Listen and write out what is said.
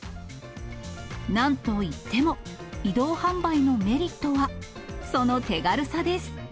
なんといっても移動販売のメリットは、その手軽さです。